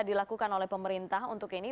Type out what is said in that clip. dilakukan oleh pemerintah untuk ini